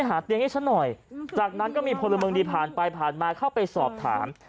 หาเตียงให้ฉันหน่อยจากนั้นก็มีพลเมืองดีผ่านไปผ่านมาเข้าไปสอบถาม